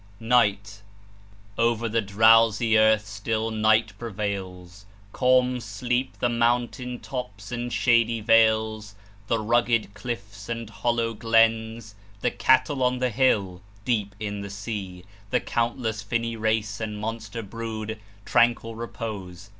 NIGHT Over the drowsy earth still night prevails; Calm sleep the mountain tops and shady vales, The rugged cliffs and hollow glens; The cattle on the hill. Deep in the sea, The countless finny race and monster brood Tranquil repose.